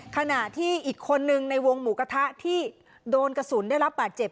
ขณะที่อีกคนนึงในวงหมูกระทะที่โดนกระสุนได้รับบาดเจ็บ